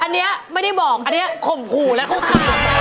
อันนี้ไม่ได้บอกอันนี้คมผูและห้วกลา